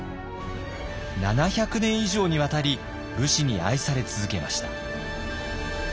７００年以上にわたり武士に愛され続けました。